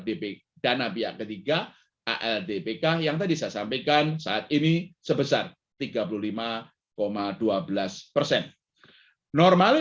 dp dana pihak ketiga aldpk yang tadi saya sampaikan saat ini sebesar tiga puluh lima dua belas persen normalnya